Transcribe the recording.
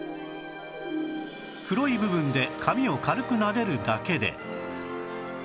黒い部分で髪を軽くなでるだけで